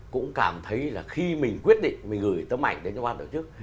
cũng cảm thấy là khi mình quyết định mình gửi tấm ảnh đến cho ban tổ chức